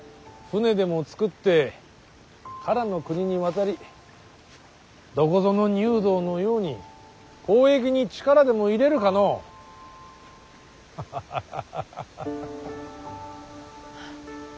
船でも造って唐の国に渡りどこぞの入道のように交易に力でも入れるかのう。ハハハハハハハ。